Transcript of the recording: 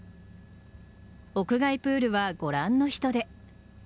屋外プールはご覧の人出。